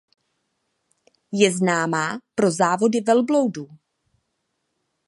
Je známa pro závody velbloudů.